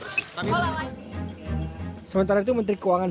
sementara itu menteri keuangan sri mulyani menyesalkan kasus korupsi tersebut